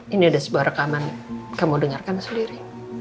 ini ada sebuah rekaman kamu dengarkan sendiri